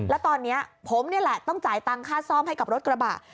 แล้วตอนนี้ผมนี่แหละต้องจ่ายตังค่าซ่อมให้กับรถกระบะ